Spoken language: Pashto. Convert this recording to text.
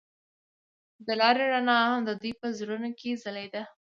د لاره رڼا هم د دوی په زړونو کې ځلېده.